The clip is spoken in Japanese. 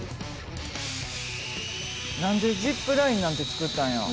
何でジップラインなんて作ったんや？